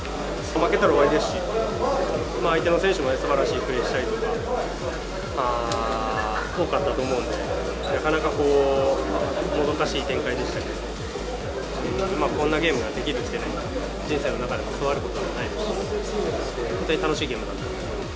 負けたら終わりですし、相手の選手もすばらしいプレーしたりとか多かったと思うんで、なかなかもどかしい展開でしたけど、こんなゲームができるってね、人生の中でそうあることじゃないですし、本当に楽しいゲームだったので。